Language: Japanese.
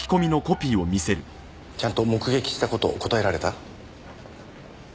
ちゃんと目撃した事答えられた？